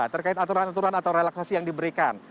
terkait aturan aturan atau relaksasi yang diberikan